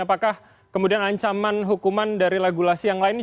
apakah kemudian ancaman hukuman dari legulasi yang lainnya